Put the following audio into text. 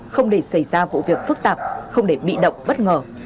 không để xảy ra vụ việc phức tạp không để bị động bất ngờ